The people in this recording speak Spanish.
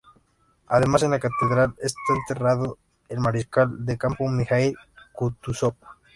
Además, en la catedral está enterrado el mariscal de campo Mijaíl Kutúzov.